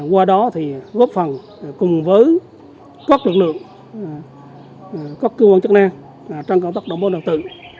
qua đó thì góp phần cùng với các lực lượng các cơ quan chức năng trang cộng tác đồng bào đặc tự